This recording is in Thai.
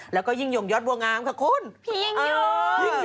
แล้วก็ยิ่งย่งยอดบวงอามค่ะคุณ